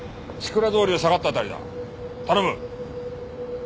頼む。